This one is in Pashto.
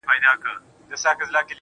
د افاقي کیدو مخه نیسي